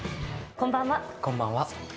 こんばんは。